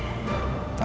aku mau pergi ke rumah